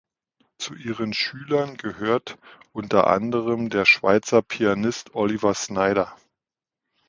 Zu ihren Schülern gehört unter anderem der Schweizer Pianist Oliver Schnyder.